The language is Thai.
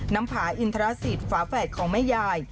ผาอินทรสิตฝาแฝดของแม่ยาย